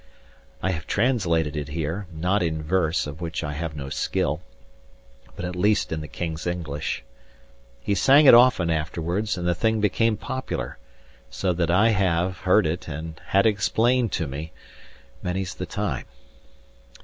I have translated it here, not in verse (of which I have no skill) but at least in the king's English. He sang it often afterwards, and the thing became popular; so that I have heard it and had it explained to me, many's the time.